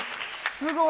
すごい。